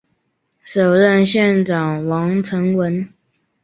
首任县长王成文。